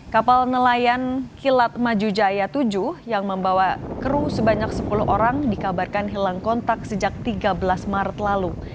kapal nelayan kilat maju jaya tujuh yang membawa kru sebanyak sepuluh orang dikabarkan hilang kontak sejak tiga belas maret lalu